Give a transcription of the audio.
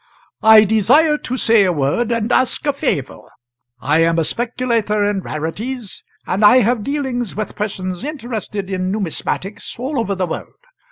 "I desire to say a word, and ask a favour. I am a speculator in rarities, and I have dealings with persons interested in numismatics all over the world.